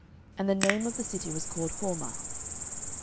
And the name of the city was called Hormah.